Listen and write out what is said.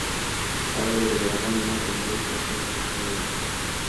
پیل یې د زرغون لمر لومړي پاچا څخه شوی و